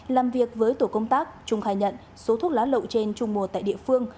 làm việc với tổ công tác trung khai nhận số thuốc lá lậu trên trung mùa tại địa phương